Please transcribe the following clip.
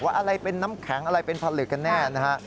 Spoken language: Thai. อะไรเป็นน้ำแข็งอะไรเป็นผลึกกันแน่นะฮะ